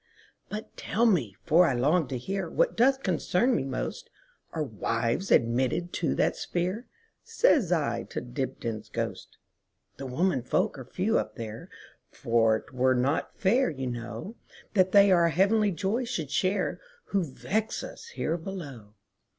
"But tell me, for I long to hearWhat doth concern me most, Are wives admitted to that sphere?"Says I to Dibdin's ghost."The women folk are few up there; For 't were not fair, you know, That they our heavenly joy should shareWho vex us here below.